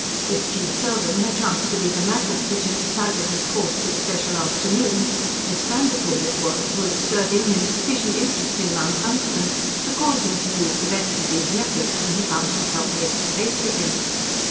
If G. Selden had chanced to be the magnet which had decided his course this special afternoon, Miss Vanderpoel it was who had stirred in him sufficient interest in Mount Dunstan to cause him to use the best of these methods when he found himself face to face with him.